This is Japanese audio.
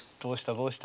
どうした？